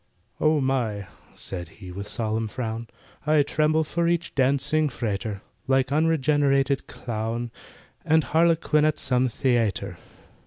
"Oh my," said he, with solemn frown, "I tremble for each dancing frater, Like unregenerated clown And harlequin at some the ayter."